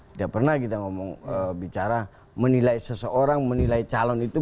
tidak pernah kita ngomong bicara menilai seseorang menilai calon itu